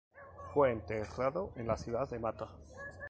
Fue enterrado en la ciudad de Mata.